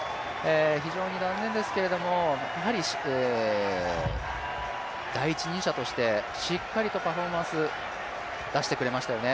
非常に残念ですが、第一人者としてしっかりとパフォーマンスを出してくれましたよね。